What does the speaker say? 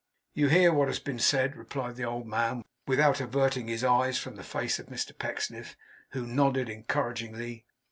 'You hear what has been said,' replied the old man, without averting his eyes from the face of Mr Pecksniff; who nodded encouragingly.